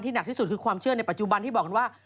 หนักที่สุดคือความเชื่อในปัจจุบันที่บอกกันว่า